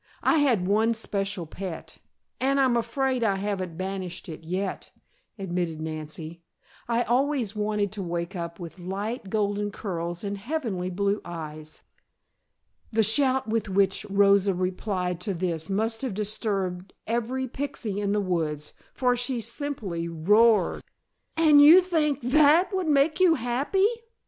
I had one special pet and I'm afraid I haven't banished it yet," admitted Nancy. "I always wanted to wake up with light golden curls and heavenly blue eyes." The shout with which Rosa replied to this must have disturbed every pixy in the woods, for she simply roared! "And you think that would make you happy!